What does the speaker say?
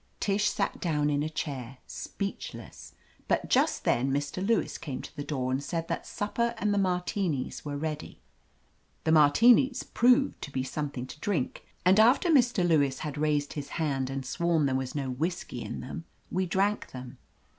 Tish sat down in a chair, speechless; but just then Mr. Lewis came to the door and said that supper and the Martinis were ready. The Martinis proved to be something to drink, and after Mr. Lewis had raised his hand and sworn there was no whisky in them we drank them.